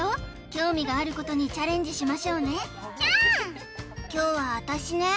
興味があることにチャレンジしましょうねキャーン凶は私ね